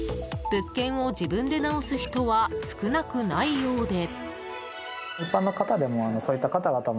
物件を自分で直す人は少なくないようで。